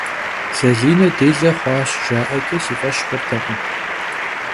Zaline dêle xhuaş - jja'eç'e si f'eş xhurtekhım.